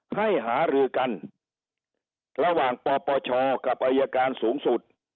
หารือกันระหว่างปปชกับอายการสูงสุด